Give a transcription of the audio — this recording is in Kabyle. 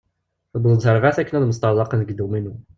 Tewweḍ-d tarbaɛt akken ad mesṭarḍaqen deg dduminu.